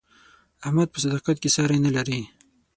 احمد په صداقت کې ساری نه لري.